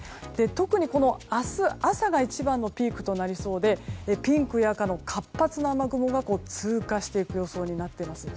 特に明日朝が一番のピークとなりそうでピンクや赤の活発な雨雲が通過していく予想になっています。